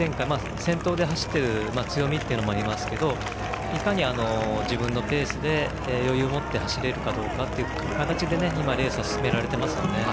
先頭で走っている強みもありますけどいかに自分のペースで余裕を持って走れるかどうかという形で今、レースを進められています。